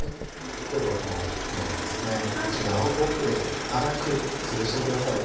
今日はこの卵こちらをフォークで粗くつぶしてください。